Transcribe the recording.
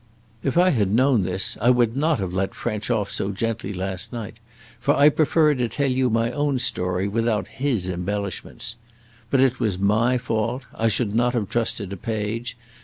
If I had known this I would not have let French off so gently last night, for I prefer to tell you my own story without his embellishments. But it was my fault. I should not have trusted a page.